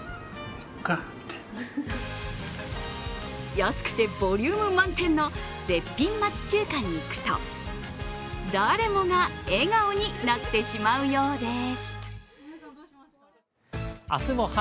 安くてボリューム満点の絶品街中華に行くと誰もが笑顔になってしまうようです。